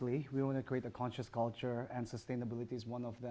kita ingin membuat kultur yang konsumen dan kemanusiaan adalah salah satunya